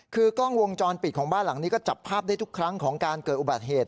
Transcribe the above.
คือกล้องวงจรปิดของบ้านหลังนี้ก็จับภาพได้ทุกครั้งของการเกิดอุบัติเหตุ